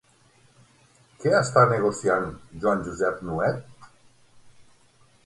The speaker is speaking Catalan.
Què està negociant Joan Josep Nuet?